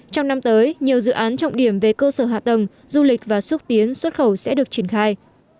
trong năm tới nhiều dự án trọng điểm về cơ sở hạ tầng du lịch và xúc tiến xuất khẩu sẽ được triển khai